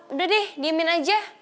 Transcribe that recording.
udah deh diemin aja